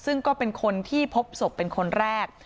ซึ่งก็เป็นคนที่พบศพเป็นคนแรก